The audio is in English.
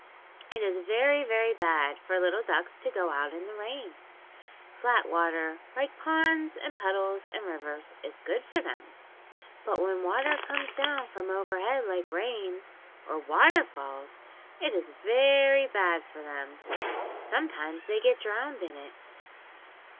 "It is very, very bad for little ducks to go out in the rain. Flat water, like ponds and puddles and rivers, is good for them, but when water comes down from overhead like rain, or water falls, it is very bad for them. Sometimes they get drowned in it.)